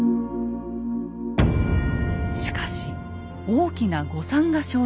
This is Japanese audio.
しかし大きな誤算が生じます。